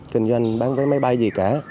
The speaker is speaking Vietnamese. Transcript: kinh doanh bán vé máy bay gì cả